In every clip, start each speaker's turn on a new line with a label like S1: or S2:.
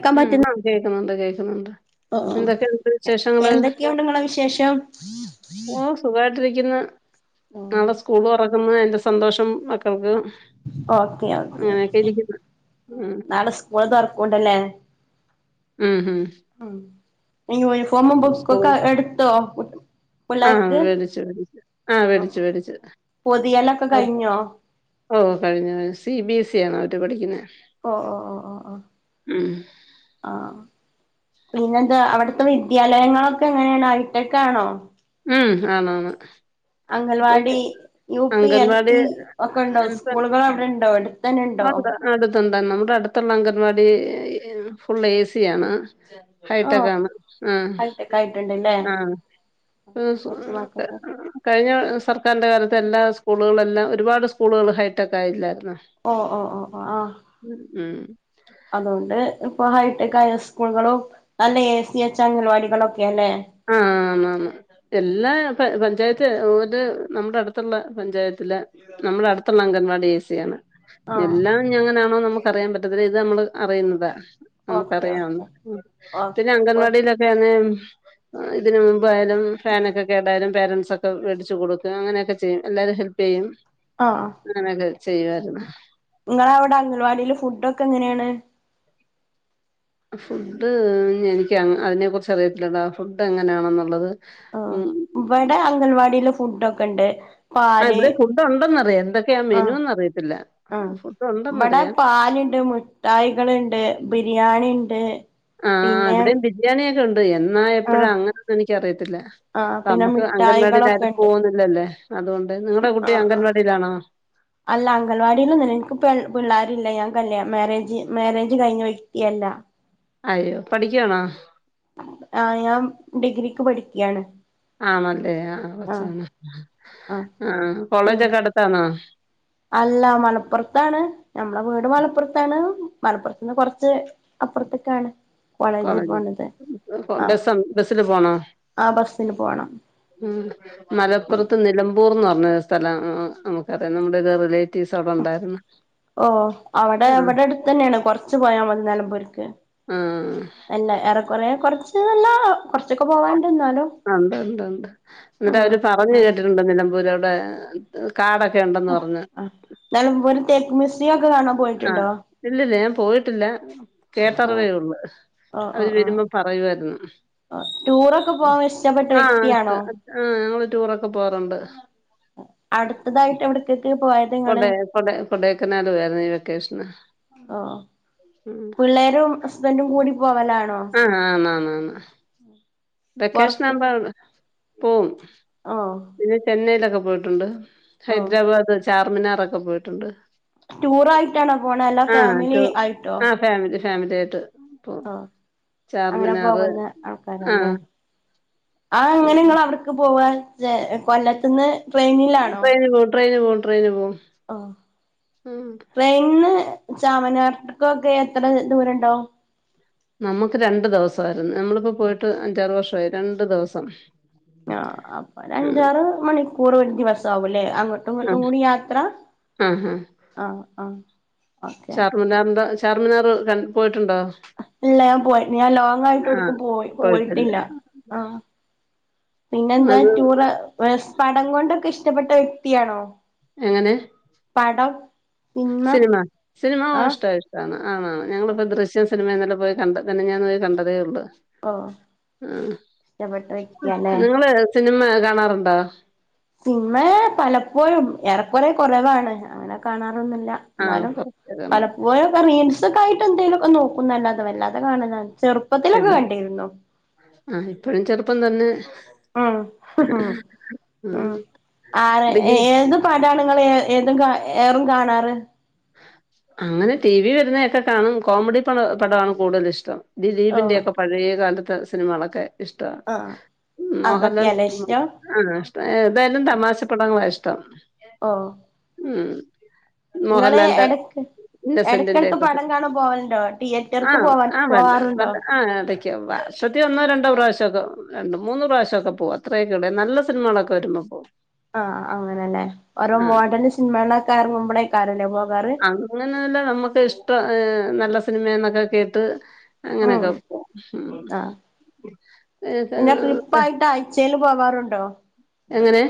S1: ക്കാൻ
S2: ഉം
S1: പറ്റുന്ന
S2: ആഹ് കേക്കുന്നുണ്ട് കേക്കുന്നുണ്ട്
S1: ഓ
S2: എന്തൊക്കെയുണ്ട് വിശേഷങ്ങള്
S1: എന്തൊക്കെയുണ്ട് നിങ്ങളെ വിശേഷം
S2: ഓ സുഖായിട്ടി രി ക്കുന്നു നാളെ സ്കൂള് തുറക്കുന്ന ഒര് സന്തോഷം മക്കൾക്ക്
S1: ഓക്കെ ഓക്കെ
S2: അങ്ങനെയൊക്കെ
S1: ഓക്കെ മ്
S2: ഇരിക്കുന്നു ഉം
S1: നാളെ സ്കൂള് തൊറക്കോണ്ട്ല്ലേ
S2: ഉം ഉം
S1: [unintelligible] ഫോമും
S2: സ്കൂൾ
S1: ബുക്കൊക്കെ എട്ത്തോ കു
S2: ആഹ് വേടിച്ചു വേടിച്ചു ആഹ് വേടിച്ചു വേടിച്ചു
S1: പൊതിയലൊക്കെ
S2: അപ്
S1: കഴിഞ്ഞോ
S2: ഓ കഴിഞ്ഞ വർഷ് സി ബി എസ് [unintelligible] അവര് പഠിക്ക്ന്നെ
S1: ഓ ഓ ഓ ഓ ആഹ് ആഹ് പിന്നെന്താ അവട്ത്തെ വിദ്യാലയങ്ങളൊക്കെ എങ്ങനേണ് ഹൈട്ടക്കാണോ
S2: ഉം ആണ് ആണ്
S1: anganwadi U P L
S2: anganwadi
S1: P ഒക്കണ്ടോ
S2: അടുത്ത്
S1: സ്കൂള്ക്കളവിടെണ്ടോ എട്ത്തന്നെണ്ടോ
S2: ഇവടെ അട്ത്തുള്ള അംഗൻവാടി ഏ ഫുള്ള് ഏ സിയാണ്
S1: ഓ
S2: ഹൈട്ടകാണ് ഉം
S1: ഹൈടെക് ആയിട്ടുണ്ടല്ലേ
S2: ആഹ്
S1: കൊച്ചുമക്കൾക്ക്
S2: കഴിഞ്ഞ സർക്കാരിന്റെ കാലത്ത് എല്ലാ സ്കൂളും സ്കൂളുകളല്ലാം ഒരുപാട് സ്കളുകൾ ഹൈടെക്ക് ആയില്ലാ
S1: ഓ ഓ ഓ ഓ ആഹ്
S2: ഉം
S1: അതോണ്ട് ഉം ഹൈടെക് ആയ സ്കൂള്കളും നല്ലെ എ സി വെച്ച അംഗൻവാാളൊക്ക എല്ലെ
S2: ആ ആന്നാന്ന് എല്ലാ പഞ്ചായത്ത് ഒരു നമ്മുടെ അടുത്തുള്ള പഞ്ചായത്തില് നമ്മുടെ അടുത്തുള്ള അംഗൻവാടി എ സി ആണ്
S1: ആഹ്
S2: എല്ലാം ഇഞ് അങ്ങനെയാണോ നമുക്ക് പറിയാൻ പറ്റത്തില്ല ഇത് നമ്മള് അറിയുന്നതാ
S1: ഓക്കെ
S2: നമുക്കറിയാവുന്ന പിന്നെ
S1: ഓക്കെ ഓക്കെ
S2: അംഗൻവാടിയിലൊക്കെ അണെ ഇതിനന് മുമ്പായയാലും ഫാനൊക്കെ കേടായാലും പേരൻസൊക്കെ മേടിച്ച് കൊടുക്കും അങ്ങനെയൊക്കെ ചെയ്യും എല്ലാവരും ഹെൽപ് ചെയ്യും
S1: ആഹ്
S2: അങ്ങനകെ ചെയ്യു വാരുന്നു
S1: നിങ്ങള അവിടെ അംഗൻവാടിൽ ഫുഡ് ക്കെ ങ്ങനെയാണ്?
S2: ഫുഡ് എനിക്ക് അതിനെക്കുറിച്ച് അറിയത്തില്ലെടാ ഫുഡ് എങ്ങനെയാണെന്നുള്ളത്
S1: ആ
S2: ഉം
S1: ഇവിടെ അംഗൽവാടിൽ ഫുഡൊ ക്കണ്ട്
S2: ആ
S1: പാല്
S2: ഇവിടെ ഫുഡ് ഉണ്ടെന്നറിയാം എന്തൊക്കെയാ
S1: ആഹ്
S2: മെനുന്ന് അറിയത്തില്ല
S1: ആ
S2: ഫുഡ്
S1: ഇവിടെ
S2: ഉണ്ടെന്നറിയാം
S1: പാല്ണ്ട് മുട്ടായികൾണ്ട് പിന്നെ ബിരിയാണി ണ്ട്
S2: ആ ഇവിടെ ബിരിയാണിയക്കെ ണ്ട് എന്നാ എപ്പോഴാ
S1: ആഹ്
S2: അങ്ങനെൊന്നും എനിക്ക അറിയത്തില്ല
S1: ആഹ് പിന്നെ
S2: നമ്മുക്ക് അംഗൻവാടിൽ ആരും പോകുന്നില്ലല്ലേ അതുകൊണ്ട് നിങ്ങളുടെ
S1: ആ
S2: കുട്ടി
S1: ആ
S2: അംഗൻവാടിയിലാണോ
S1: അല്ല അംഗൻവാടില്ലൊന്നല്ല എനിക്ക് പിള്ളേരില്ല ഞാ ല്ല മാരേജ് മാരേജ് കഴിഞ്ഞ വ്യക്തിയല്ല
S2: അയ്യോ പഠിക്കാ ണോ
S1: ആഹ് ഞാൻ ഡിഗ്രിക്ക് പഠിക്യാണ്
S2: ആണല്ലേ ആ കൊച്ചാണ്
S1: ആഹ്
S2: ആ
S1: പിൻ
S2: കോളേജൊക്കെ അടുത്താണോ
S1: അല്ല മലപ്പുറത്താണ് നഞമ്മള വീട് മലപ്പുറത്താണ് മലപ്പുറത്തന്ന് കുറച്ച് അപ്പുറത്തൊക്കാണ്
S2: കോളേജ്
S1: ആഹ്
S2: ബസില് പോണ
S1: ആഹ് ബസ്സിന് പോണം
S2: മലപ്പുറത്ത് നിലമ്പൂർന്ന് പറ- സ്ഥലം നമുക്കറിയാം നമ്മുടെ ഒരു റിലേ-
S1: ഓ അവിടെ
S2: ആ
S1: അവിടെ അടുത്ത് തന്നെയാണ് കൊറച്ച് പോയാൽ മതി നിലമ്പൂരിക്ക്
S2: ആ
S1: അല്ല ഏറെക്കൊറേ- കുറച്ച് നല്ല-
S2: ഉണ്ട് ഉണ്ട് ഉണ്ട് എന്നിട്ട്
S1: ആഹ്
S2: അവര് പറഞ്ഞു കേട്ടിട്ടുണ്ട് നിലമ്പൂര് അവിടെ [unintelligible] ഉണ്ടെന്ന്
S1: ആ
S2: പറഞ്ഞ്
S1: ആ നിലമ്പൂര് തേക്ക് മൂസ്സ്‌ - സിയം ഒക്കെ കാണാൻ
S2: ആ
S1: പോയിട്ടുണ്ടോ
S2: ഇല്ലില്ല ഞാൻ പോയിട്ടില്ല
S1: ആഹ്
S2: കേട്ടറവേയള്ളൂ
S1: ഓഹ്
S2: അവര്
S1: ഓഹ് ഓഹ്
S2: വരുമ്പോ പറയുവായിരുന്നു
S1: ഓഹ് ടൂറൊക്കെ പോവാൻ ഇഷ്ടപ്പെട്ട വ്യക്തിയാണോ
S2: ടൂറൊക്കെ പോവാറുണ്ട്
S1: അടുത്തതായിട്ട് എവിടക്കൊക്കെ പോയ-
S2: കൊടേ കൊട കൊടേക്കനാല് പോയായിരുന്നു ഈ വെക്കേഷന്
S1: ഓഹ് മൂടി
S2: ആഹ് ആന് ആന്നാന്ന് വെക്കേഷ്ൻ
S1: പൊറത്ത്
S2: ആകുമ്പോ പോവും
S1: ഓഹ്
S2: പിന്നെ ചെന്നൈയിലൊക്കെ പോയിട്ടുണ്ട്
S1: ഓഹ്
S2: ഹൈദരാബാദ് ചാർമിനാറൊക്കെ പോയിട്ടുണ്ട്
S1: റ്റുറാ ആയിട്ടാണോ പോണേ അല്ലാ ഫാമിലി ആയിട്ടോ
S2: ഫാമിലിയാട്ട്
S1: ഓഹ് അങ്ങനെ പോകുന്ന ആൾക്കാരന്നെ
S2: ആഹ്
S1: ആഹ് അങ്ങനെ നിങ്ങ അവട്ക്ക് പോവാ കൊല്ലത്തുന്ന് ട്രെയിനിലാണോ
S2: ട്രെനിൽ പോം ട്രയിന് പോം ട്രയിന് പോവും
S1: ഓഹ്
S2: ഉം
S1: ട്രെയിനിന്ന് ചാമനാർക്കൊക്കെ എത്ര ദൂരണ്ടാവും
S2: നമ്മുക്ക് രണ്ടു ദിവസായിരുന്നു നമ്മളിപ്പോ പോയിട്ട് അഞ്ചാറ് വർഷായി രണ്ടു ദിവസം
S1: ആഹ് അപ്പൊ
S2: ആഹ്
S1: ഒരഞ്ചാറ് മണിക്കൂർ വരും ഈ വർഷാവുല്ലേ അങ്ങോട്ടും ഇങ്ങോട്ടും
S2: ആഹ്
S1: കൂടി യാത്ര
S2: ആഹ്
S1: ആഹ് ആഹ് ഓക്കെ
S2: ഷാർമിനാർ ക പോയിട്ട്
S1: ഇല്ല ഞാൻ പോയി ഞാൻ ലോങ് ആയിട്ട് എടുക്കും പോയി പോയിട്ടില്ല ആഹ് പിന്നെ എന്താ
S2: അത്
S1: ടൂറ് പേ പടം കൊണ്ടൊക്കെ ഇഷ്ടപ്പെട്ട വ്യക്തിയാണോ
S2: എങ്ങനെ
S1: പടം
S2: സിനിമ സിനിമ
S1: ആഹ്
S2: ഇഷ്ട്ട ഇഷ്ടാണ് ആണ് ഞങ്ങളിപ്പോ ദൃശ്യം സിനിമയെന്നിട്ട് പോയി കണ്ട് മെനഞ്ഞാന്ന് പോയി കണ്ടതേ ഉള്ളു
S1: ഓഹ്
S2: ആഹ്
S1: ഇഷ്ടപ്പെട്ട വ്യക്തിയാല്ലേ
S2: നിങ്ങള് സിനിമ കാണാറുണ്ടോ
S1: സിനിമ പലപ്പോഴും ഏറെക്കുറെ കുറവാണ് അങ്ങനെ കാണാ ന്നുല്ല
S2: ആഹ്
S1: ന്നാലും
S2: കൊറച്ചൊക്കെ കാണും
S1: പലപ്പോഴും റീൽസ് ക്കായിട്ട് എന്തേലുക്കെ നോക്കുന്നല്ലാതെ കാണല
S2: ആഹ് ഇപ്പോഴും ചെറുപ്പം തന്നെ
S1: ഉം ഉം ആരാ
S2: ഡിഗ്രി
S1: ഏത് പടാണ് ങ്ങള് ഏതും കാ ഏറും കാണാറ്
S2: അങ്ങനെ ടി വി വരുന്നതൊക്കെ കാണും കോമഡി പടമാണ് കൂടുതലും ഇഷ്ടം
S1: ഓ
S2: ദിലീപിന്റെ ഒക്കെ പഴയകാല ത്ത സിനിമകളൊക്കെ ഇഷ്ടാണ്
S1: ആഹ്
S2: മോഹൻലാൻ
S1: അതൊക്കെയല്ലേ ഇഷ്ടം
S2: ആ ഇഷ്ട ഏതായാലും തമാശപ്പടങ്ങളാ ഇഷ്ടം തം
S1: ഓഹ്
S2: ഉം മൊഹ ളന്റെ
S1: എടക്കെടക്ക്
S2: ന്നസെന്റിന്റൊക്കെ സെ
S1: പടം കാണാൻ പോവലുണ്ടോ തിയേറ്റർക്ക്
S2: ആഹ്
S1: പോവാൻ
S2: ആഹ്
S1: പോവാറുണ്ടോ
S2: [unintelligible] വർഷത്തിഒന്നോ രണ്ടോ പ്രാവശ്യക്കെ രണ്ട് മൂന്ന് പ്രാവശ്യൊക്കെ പോവ് അത്രയക്കെള്ള് നല്ല സിനിമകളൊക്കെ വരുമ്പോ പോവും
S1: ആഹ് അങ്ങനെന്നേ ഓരോ മോഡേൺ സിനിമകളക്കെ അർങ്ങുമ്പളയ്ക്കാരല്ലേ പൊ
S2: അങ്ങനെല്ല നമുക്ക് ഇഷ്ടം ഏഹ് നല്ല സിനിമ എന്നൊക്കെ കേട്ട്
S1: ഉം
S2: അങ്ങനൊക്കെ
S1: ആഹ് ണ്ടോ
S2: എങ്ങനെ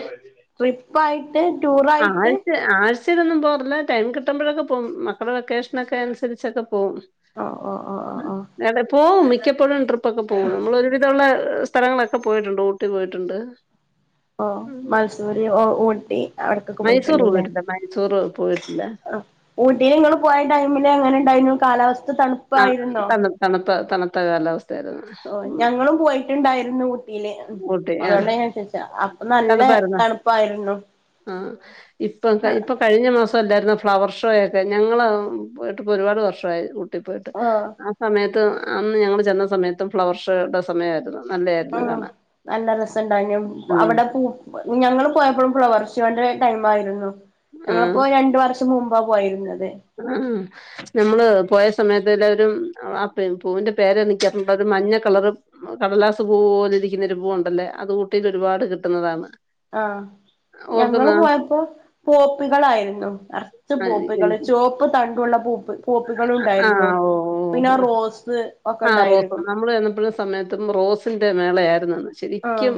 S1: ട്രിപ്പ് ആയി
S2: അഹ് ആഴ്ച ആഴ്ച് ച്ചിലൊന്നും പോർല്ല ടൈം കിട്ടുമ്പഴൊക്കെ പോവും മക്കളെ വേക്കേഷനക്കെ അനുസരിച്ചക്കെ പോവും
S1: ഓഹ് ഓഹ് ഓഹ് ഓഹ് ഓഹ്
S2: അത് പോവും മി മിക്കപ്പൊഴും ട്രി പ്പോക്കെ പോകും നമ്മൾ ഒരു വിധമുള്ള സ്ഥലങ്ങളൊക്കെ പോയിട്ടുണ്ട് ഊട്ടി പോയിട്ടുണ്ട്
S1: ഓ
S2: ഉം.
S1: മയ്സൂര് ഓ ഊട്ടി അവട്ത്തക്ക്
S2: മൈസൂർ
S1: പോയിട്ട്ണ്ട്ല്ലേ
S2: പോയിട്ടില്ല. മൈസൂർ പോയിട്ടില്ല.
S1: ആഹ്. ഊട്ടില് ഇങ്ങള് പോയ ടൈമിലെങ്ങനണ്ടായ്നു കാലാവസ്
S2: ആഹ് തന്ന തണുപ്പ് തണ് ത്ത കാലാവസ്
S1: ഓ ഞങ്ങ്ളും പോയിറ്റുണ്ടായിരുന്നു.
S2: ഊട്ടി ആഹ്
S1: [unintelligible] അപ്പൊ നല്ല
S2: തണുപ്പായിരുന്നോ?
S1: തണുപ്പായിരുന്നു.
S2: ഇപ്പൊക്കെയ് ഇപ്പൊ കഴിഞ്ഞ മാസ ല്ലായിരുന്ന ഫ്ലവർ ഷോയെക്കെ ഞങ്ങള് പോയ്ട്ടിപ്പോ ഒരുപാട് വർഷായി കു ട്ടി പോയ്ട്ട്
S1: ഓഹ്
S2: ആ സമയത്ത് അന്ന് ഞങ്ങള് ചെന്ന സമയത്തും ഫ്ലവർ ഷോട സമയാര്ന്ന് നല്ലയാര്ന്ന്
S1: ആഹ്
S2: കാണാൻ
S1: നല്ല രസണ്ടായിന്യം
S2: ഉം
S1: അവിട പൂ ഞങ്ങള് പോയപ്പഴും ഫ്ലവർ ഷോ ൻ്റെ ടൈം ആയിരുന്നു ഞങ്ങളിപ്പോ രണ്ട് വർഷ് മുമ്പാ പോയിര്ന്നത്
S2: മ് ഞമ്മള് പോയ സമയത്ത് ല്ലാവരും അ പെം പൂവിന്റെ പേരെനിക്കറഞ്ഞൂടാ മഞ്ഞ കളറ് കടലാസ് പൂ പോല ഇരിക്കുന്നൊരു പൂവുണ്ടല്ലെ അത് ഊട്ടിൽ ഒരുപാട് കിട്ട്ന്നതാന്ന്
S1: ആഹ് ഞങ്ങള് പോയപ്പോ പോപ്പികളായിരുന്നു നർച്ച് പോപ്പികള് ചോ പ്പ് തണ്ടുള്ള പൂപ്പ് പോപ്പികളുണ്ടായിരുന്നു
S2: ആഹ് ഓ
S1: പിന്ന
S2: ഓ ഓ
S1: റോസ് ഒക്കെ
S2: ആഹ് റോസ്
S1: ഉണ്ടായിരുന്നു
S2: നമ്മള് ചെന്നപ്പഴും സമയത്തും റോസിന്റെ മേളയാരുന്നന്ന്
S1: ആഹ്
S2: ശെരിക്കും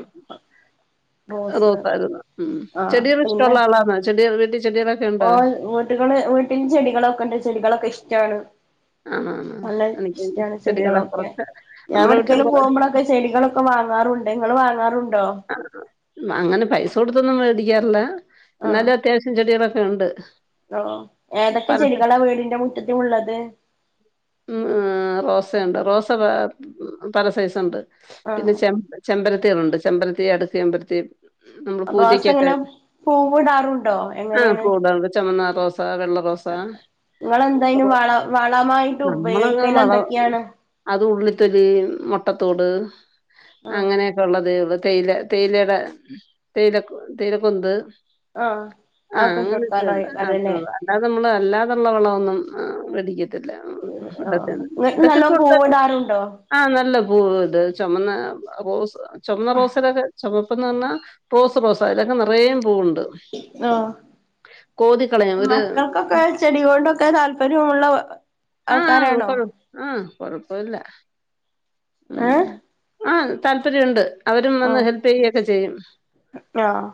S1: റോസ്
S2: നോക്കാരുന്ന് ഉം
S1: ആഹ്
S2: ചെടികൾ
S1: പിന്നെ
S2: ഇഷ്ടൊള്ള ആളാന്നാ ചെടിയ വി
S1: ഓ വീട്ടുകള് വീട്ടിലിൽ ചെടികളൊക്കെ ഉണ്ട് ചെടികളൊക്കെ ഇഷ് ക്കാണ്
S2: ആണോ ആണോ
S1: നല്ല
S2: എനിക്ക്
S1: ഇഷ്ടാണ്
S2: ചെടികളെ
S1: ചെടികളൊക്കെ
S2: കുറച്ച്
S1: ഞാൻ
S2: നമ്മുടെ വീട്ടിലും
S1: എവിട്ക്കെലും
S2: കുറെ
S1: പോകുമ്പളൊക്കെ ചെടികളൊക്കെ വാങ്ങാറുണ്ട് നിങ്ങൾ വാങ്ങാറുണ്ടോ
S2: അങ്ങനെ പൈസ കൊടുത്തൊന്നും [unintelligible]
S1: ആഹ്
S2: ന്നാലും അത്യാവശ്യം ചെടി ണ്ട്
S1: ഓ ഏതൊക്കെ ചെടികളാ വീടിന്റെ മുറ്റത്തള്ളത്
S2: പാ പല സൈസ് പിന്നെ
S1: ആഹ്
S2: ചെബ്‌ ചെമ്പര [unintelligible] [unintelligible]
S1: [unintelligible] ഇങ്ങനെ പൂവിടാറുണ്ടോ
S2: ആ
S1: എങ്ങനെയാണ്
S2: കൂടുണ്ട് ചുമന്ന റോസ വെള്ള റോസ
S1: നിങ്ങെളെന്തായലും വള വള വാ
S2: നമ്മളങ്ങെ വള അത് ഉള്ളിത്തൊലി മുട്ടത്തോട്
S1: ആഹ്
S2: അങ്ങനെയൊക്കെ ഉള്ള തേയില തേയിലയുടെ തേയില ക് തേയില [unintelligible] കൊൊന് [unintelligible]
S1: ആഹ്
S2: ആഹ
S1: അതൊക്കെ ഇട്ട്
S2: അങ്ങനെയൊക്കെ ഉണ്ട്
S1: കൊടുക്കാറല്ലേ
S2: അതൊള്ളു അല്ലാതെ നമ്മള് അല്ലാതുള്ള വേളവൊന്നും [unintelligible] [unintelligible]
S1: ആഹ് ഇങ്ങക്ക് നല്ലോം പൂവിടാറുണ്ടോ
S2: അപ്പോസ് ചുവന്ന റോസാ ഇപ്പം പറഞ്ഞാ പ്രോസ് പ്രോസ അതിലൊക്കെ നിറയും പൂവുണ്ട്
S1: ഓ
S2: കോതിക്കളയും ഒരു
S1: മക്കൾക്കൊക്കെ ചെടി ഒക്കെ [unintelligible] താല്പര്യമുള്ള
S2: ആഹ ആഹ്
S1: ആൾക്കാരാണോ
S2: കൊഴ് ആഹ കൊഴപ്പൊവില്ല ഉം
S1: ഏഹ്
S2: ആ താല്പര്യഇണ്ട് അവരും വന്ന്
S1: ആഹ്
S2: ഹെൽപ് പെ യ്യൊക്കെ ചെയ്യും
S1: ആഹ്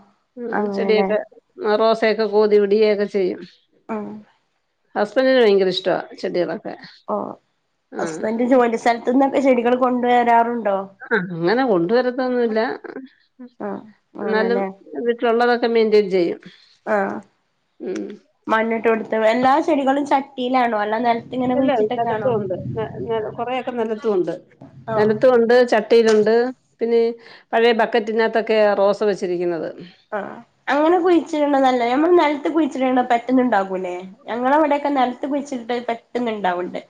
S2: ഉം
S1: അങ്ങനെല്ലേ
S2: ചെടിയൊക്കെറോ [unintelligible] ത്ത ഒക്കെ കോതി വിടുകയൊക്കെ ചെയ്യും
S1: ആഹ
S2: ഹസ്ബെന്റിന് ഭയങ്കര ഇഷ്ടവാ
S1: ഓ ഹസ്ബൻഡ്
S2: [unintelligible]
S1: ജോലി സ്ഥലത്തുന്നൊക്കെ ചെടികൾ കൊണ്ടുവരാറുണ്ടോ
S2: ആ അങ്ങനെ കൊണ്ടുവരൊത്തൊന്നുല്ല
S1: ആഹ്
S2: എന്നാലും
S1: ആണല്ലേ
S2: വീട്ടിലുള്ളതൊ [unintelligible] ചെയ്യും
S1: ആഹ്
S2: ഉം
S1: മണ്ണ്ട്ട് കൊടു ത്ത് എല്ലാ ചെടികളും ചട്ടിയിലാണോ അല്ല നെൽ
S2: ഇല്ല നിലത്തു ഉണ്ട് നി നി കൊറയൊക്കെ നിലത്തും ഉണ്ട്
S1: ആഹ്
S2: നിലത്തും ഉണ്ട് ച ട്ടിയിലുണ്ട് പിന്നെ പഴയ ബക്കറ്റിനകത്തൊക്കെ റോസ വെച്ചിരിക്കുന്നത്
S1: ആ അങ്ങനെ കുഴിച്ചിട്ണ നല്ലതാ ഞമ്മൾ നൽ ത്ത് കുഴിച്ചിട്ണ പെട്ടന്നുണ്ടാവൂല്ലേ ഞങ്ങളെ ഇവിടൊക്കെ നെൽത്ത് കുഴിച്ചിട്ണ പെട്ടന്ന്ണ്ടാവ്ണ്ട്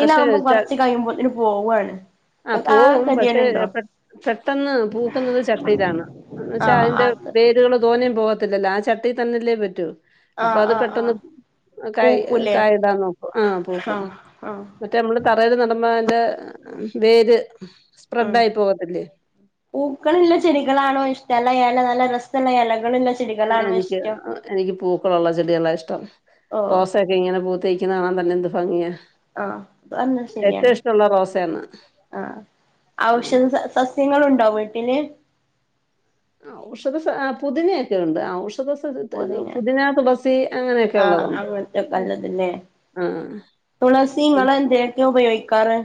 S2: പക്ഷെ
S1: കുറച്ച് കഴിയുമ്പോത്തിനും പോവാണ്
S2: ആ പോവും പക്ഷെ പെട്ടെന്ന് പൂക്കുന്നത് ചട്ടയിലാണ് എന്ന് വെച്ചാ
S1: ആഹ്
S2: അതിന്റെ
S1: അത്
S2: വേരുകൾ തോന്നയും പോകത്തില്ലല്ല ആ ചട്ടിൽ തന്നല്ലേ പറ്റൂ അപ്പൊ
S1: ആഹ്
S2: അത്
S1: ആഹ്
S2: പെട്ടെന്ന്
S1: ആഹ്
S2: കായ
S1: പൂക്കൂലേ
S2: കായ ഇടാൻ നോക്കും ആ പൂക്കും
S1: ആഹ് ആഹ്
S2: മറ്റേ നമ്മള് തറയിൽ നടുമ്പം അതിന്റെ വേര്
S1: ഉം
S2: സ്പ്രെഡ് ആയി പോകത്തില്ലേ
S1: പൂക്കളില്ല ചെടികളാണോ ഇഷ്ട എല നല്ല രസള്ള എലകള്ല്ലെ ഷ്
S2: ആ എനിക്ക് എനിക്ക് പൂക്കളൊള്ള ചെടികളാ ഇഷ്ടം
S1: ഓഹ്
S2: റോസൊക്കെ ഇങ്ങനെ പൂത്ത് നി ക്ക്ന്ന കാണാൻ തന്നെ എന്ത് ഫംഗിയാ
S1: ആഹ് പറഞ്ഞത് ശെരിയാണ്
S2: റോസയാണ്
S1: ആഹ്
S2: ഉം
S1: ഔഷധ സസ്യങ്ങൾ ഉണ്ടോ വീട്ടി പിന്നേ
S2: ഔഷധ സ പുതിനയക്കെ ഒണ്ട് ഔഷ്
S1: പൊതിന
S2: അങ്ങനെയൊക്കെ
S1: ആ
S2: ഉള്ളതുണ്ട്
S1: അങ്ങൻത്തെക്കല്ലത് ല്ലേ.
S2: ആ
S1: തുളസി ങ്ങൾ എന്തിനൊക്കെ ഉപയോഗി ക്കാറ്?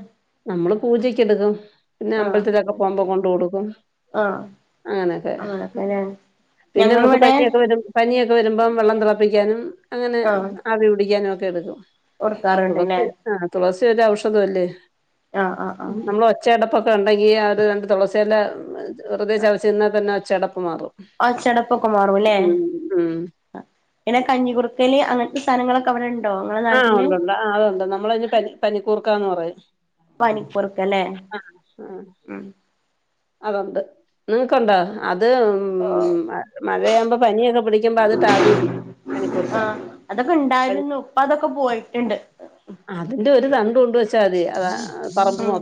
S2: നമ്മള് പൂജക്ക് എടുക്കും. പിന്നെ
S1: ആഹ്
S2: അമ്പൽത്തിലൊക്കെ പോമ്പ കൊണ്ട് കൊടുക്കും.
S1: ആഹ്
S2: അങ്ങനെക്കെ
S1: അങ്ങനൊക്കെല്ലേ
S2: പിന്നെ നമുക്ക്
S1: ഞങ്ങളിവിടെ
S2: പനിയൊക്കെ വരു പനിയൊ വരുമ്പോം വെള്ളം തെളപ്പിക്കാനും. അങ്ങനെ
S1: ആഹ്
S2: ആവി പിടിക്കാനും ഒക്കെ ക്കെടുക്കും.
S1: കൊടുക്കാറുണ്ട്ല്ലേ
S2: വക്ക് ആ തുളസി ഒരു ഔഷധം അല്ലേ?
S1: ആഹ് ആഹ്
S2: ഉം
S1: ആഹ്
S2: നമ്മളെ ഒച്ചയടപ്പൊക്കെ ഉണ്ട [unintelligible] രണ്ട് തൊളസിയ ല വെറുതെ ചവച്ച് തിന്ന തന്നെ ചടപ്
S1: ഒച്ചടപ്പൊക്കെ മാറും ല്ലേ.
S2: ഉം
S1: പിന്നെ കഞ്ഞികുറുക്കല് അങ്ങൻത്തെ സാനങ്ങളൊ ക്കെ വ്ടണ്ട്.
S2: ആ ഉണ്ട്ണ്ട് അത്ണ്ട് നമ്മൾ പനി പനിക്കൂർക്കാന്ന് പറയും
S1: പനിക്കുറുക്കല്ലേ
S2: ആ.
S1: ഉം
S2: അതൊണ്ട് നിങ്ങക്കുണ്ടോ ആ അത് ഉം മഴയാ ഇപ്പ പനിയ
S1: ആ അതൊക്കെ
S2: പനി
S1: ഉണ്ടായിരുന്നു ഇപ്പൊ അതൊക്കെ പോയിട്ടുണ്ട്
S2: അതിന്റെ ഒരു തണ്ട് കൊണ്ട്വെ -
S1: ഉം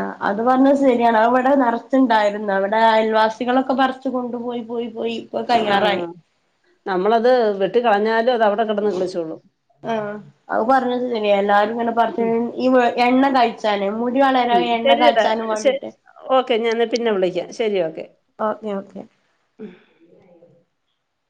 S1: ആ അത് പറഞ്ഞ ശെരിയാണ് ആ അവിട നെറ ച്ചുണ്ടാരുന്നു അവിടെ അയൽവാസികളൊക്കെ പറിച് കൊണ്ടു പോയി പോയി പോയി ഇപ്പൊ
S2: ആ
S1: കഴിയാറായി
S2: നമ്മളത് വെ ട്ടി കളഞ്ഞാൽ
S1: ആ അത് പറഞ്ഞത് ശെരിയാ എല്ലാരും ങ്ങനെ പറിച്ച്
S2: ഉം
S1: ഈ എണ്ണ കൈച്ചന് മി
S2: ഉം ശരിയട ശേ ഓക്കെ ഞാൻ നിന്നെ പിന്നെ വിളിക്കാം ശരി ഓക്കെ
S1: ഓക്കെ ഓക്കെ